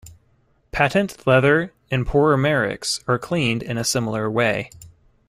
Patent leather and poromerics are cleaned in a similar way.